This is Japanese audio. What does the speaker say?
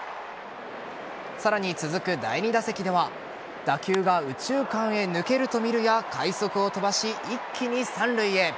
さらに続く第２打席では打球が右中間へ抜けると見るや快足を飛ばし一気に三塁へ。